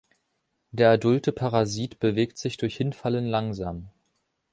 Der adulte Parasit bewegt sich durch Hinfallen langsam.